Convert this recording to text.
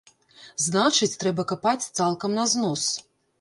Значыць, трэба капаць цалкам на знос.